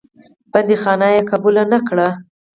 بندیخانه قبوله نه کړې.